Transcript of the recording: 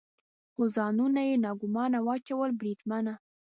خو ځانونه یې ناګومانه واچول، بریدمنه.